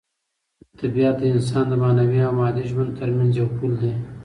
طبیعت د انسان د معنوي او مادي ژوند ترمنځ یو پل دی.